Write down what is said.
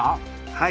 はい。